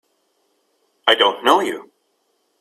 I don't know you!